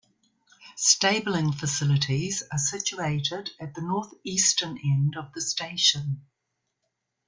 Stabling facilities are situated at the north-eastern end of the station.